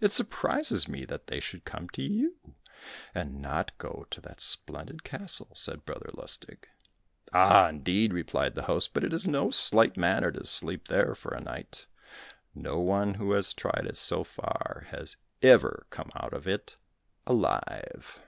"It surprises me that they should come to you and not go to that splendid castle," said Brother Lustig. "Ah, indeed," replied the host, "but it is no slight matter to sleep there for a night; no one who has tried it so far, has ever come out of it alive."